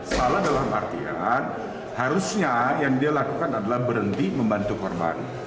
salah dalam artian harusnya yang dia lakukan adalah berhenti membantu korban